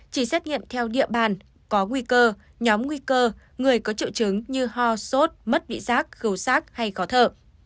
chỉ xét nghiệm theo địa bàn có nguy cơ nhóm nguy cơ người có triệu chứng như ho sốt mất vị giác gấu sác hay khó thở